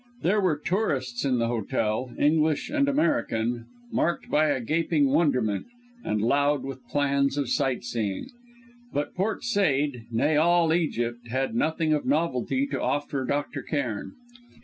There were tourists in the hotel, English and American, marked by a gaping wonderment, and loud with plans of sightseeing; but Port Said, nay all Egypt, had nothing of novelty to offer Dr. Cairn.